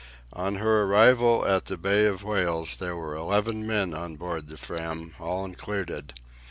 On her arrival at the Bay of Whales there were eleven men on board the Fram, all included.